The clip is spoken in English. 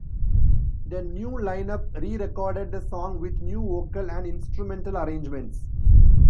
The new line-up re-recorded the song with new vocal and instrumental arrangements.